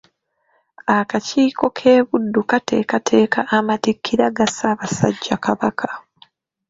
Akakiiko k’e Buddu kateekateeka amatikkira ga Ssaabasajja Kabaka.